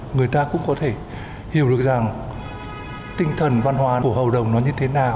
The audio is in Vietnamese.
người ta cũng có thể hiểu được rằng tinh thần văn hóa của hầu đồng nó như thế nào